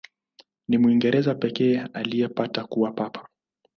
Ni Mwingereza pekee aliyepata kuwa Papa.